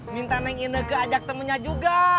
minta neng ine kek ajak temenya juga